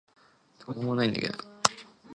When he is caught she and her son blame Abigail.